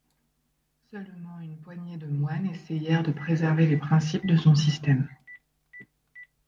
Seulement une poignée de moines essayèrent de préserver les principes de son système.